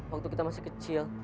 waktu kita masih kecil